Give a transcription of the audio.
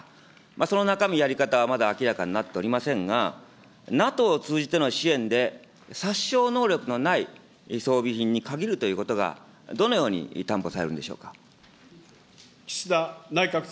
その中身、やり方はまだ明らかになっておりませんが、ＮＡＴＯを通じての支援で殺傷能力のない装備品に限るということが、どのように担保されるんでしょうか。